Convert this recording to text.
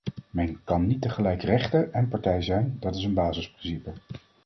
Men kan niet tegelijk rechter en partij zijn, dat is een basisprincipe.